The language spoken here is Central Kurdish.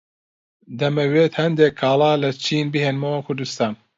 دەمەوێت هەندێک کاڵا لە چین بهێنمەوە کوردستان.